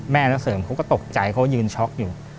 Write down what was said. นักเสริมเขาก็ตกใจเขายืนช็อกอยู่